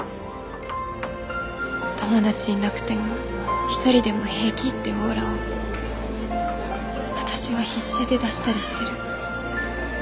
友達いなくてもひとりでも平気ってオーラを私は必死で出したりしてる。